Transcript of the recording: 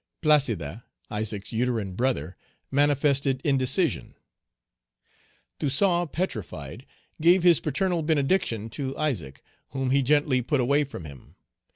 Placide, Isaac's uterine brother, manifested indecision. Toussaint, petrified, gave his paternal benediction to Isaac, whom he gently put away from him.